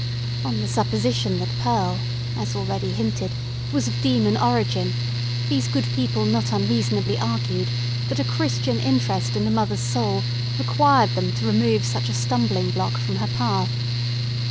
On the supposition that Pearl, as already hinted, was of demon origin, these good people not unreasonably argued that a Christian interest in the mother's soul required them to remove such a stumbling block from her path.